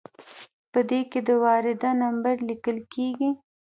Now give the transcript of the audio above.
په دې کې د وارده نمبر لیکل کیږي.